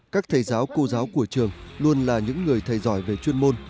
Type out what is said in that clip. các thầy giáo cô giáo của trường luôn là những người thầy giỏi về chuyên môn